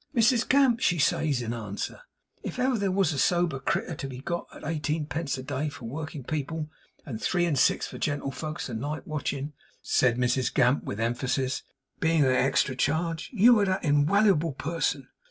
"Mrs Gamp," she says, in answer, "if ever there was a sober creetur to be got at eighteen pence a day for working people, and three and six for gentlefolks night watching,"' said Mrs Gamp with emphasis, '"being a extra charge you are that inwallable person."